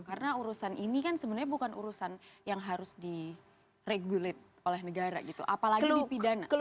karena urusan ini kan sebenarnya bukan urusan yang harus di reguler oleh negara gitu apalagi dipidana